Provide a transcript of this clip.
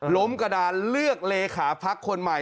กระดานเลือกเลขาพักคนใหม่